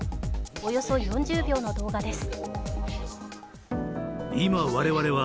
およそ４０秒の動画です。